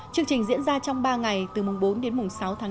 chương trình diễn ra trong ba ngày từ bốn đến sáu tháng năm